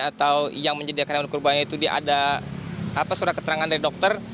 atau yang menyediakan hewan kurbannya itu ada surat keterangan dari dokter